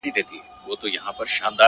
له یوه کونجه تر بله پوري تلله.!